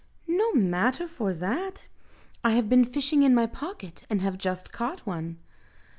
"No matter vor that, I have been fishing in my pocket, and have just caught one."